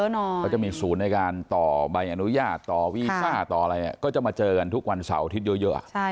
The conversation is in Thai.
เขาจะมีศูนย์ในการต่อใบอนุญาตต่อวีซ่าต่ออะไรก็จะมาเจอกันทุกวันเสาร์อาทิตย์เยอะ